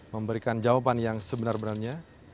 memberikan jawaban yang sebenar benarnya